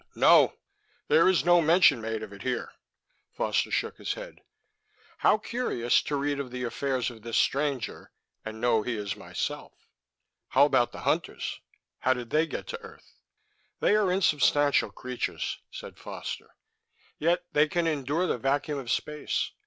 "No there is no mention made of it here." Foster shook his head. "How curious to read of the affairs of this stranger and know he is myself." "How about the Hunters? How did they get to earth?" "They are insubstantial creatures," said Foster, "yet they can endure the vacuum of space.